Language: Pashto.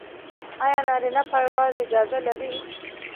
ایا نارینه پایواز اجازه لري؟